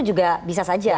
juga bisa saja